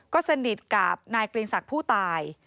ก็สนิทกับนายเกรียงศักดิ์ผู้ตาย